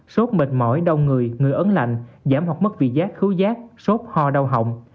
sốt mệt mỏi đông người người ấn lạnh giảm hoặc mất vị giác khứu giác sốt ho đau hỏng